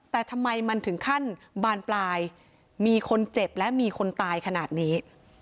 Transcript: แต่ทำไมมันถึงขั้นบานปลายมีคนเจ็บและมีคนตายขนาดนี้